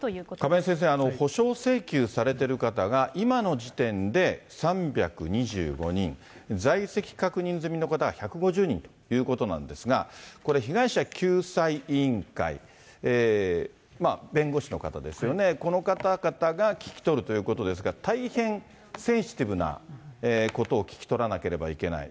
亀井先生、補償請求されてる方が、今の時点で３２５人、在籍確認済みの方が１５０人ということなんですが、これ、被害者救済委員会、弁護士の方ですよね、この方々が聞き取るということですが、大変センシティブなことを聞き取らなければいけない。